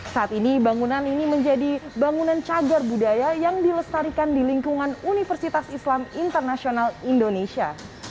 saat ini bangunan ini menjadi bangunan cagar budaya yang dilestarikan di lingkungan universitas islam internasional indonesia